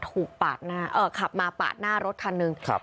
ปาดหน้าเอ่อขับมาปาดหน้ารถคันหนึ่งครับ